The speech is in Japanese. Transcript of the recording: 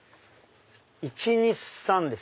１２３です。